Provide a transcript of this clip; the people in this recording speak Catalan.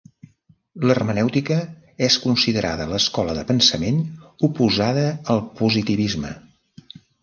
L'hermenèutica és considerada l'escola de pensament oposada al positivisme.